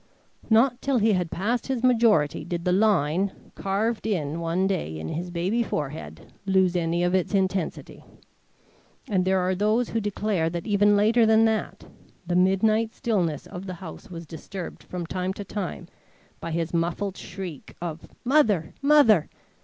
Not till he had passed his majority did the line, carved in one day in his baby forehead, lose any of its intensity; and there are those who declare that even later than that, the midnight stillness of the house was disturbed from time to time by his muffled shriek of "Mother! Mother!"